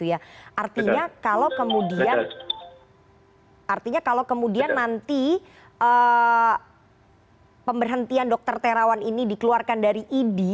artinya kalau kemudian nanti pemberhentian dr terawan ini dikeluarkan dari idi